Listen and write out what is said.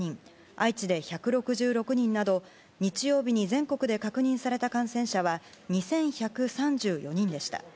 愛知で１６６人など日曜日に全国で確認された感染者は２１３４人でした。